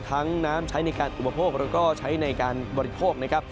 น้ำใช้ในการอุปโภคแล้วก็ใช้ในการบริโภคนะครับ